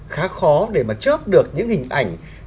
khá khó để mà chớp được những hình ảnh